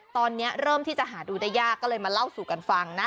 ตอนนี้เริ่มที่จะหาดูได้ยากก็เลยมาเล่าสู่กันฟังนะ